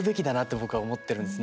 僕は思っているんですね。